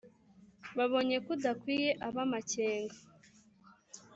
Babonye ko udakwiye ab'amakenga